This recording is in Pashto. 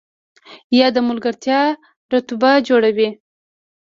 یا د ملګرتیا رابطه جوړوي